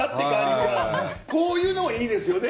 こういうのもいいですよね。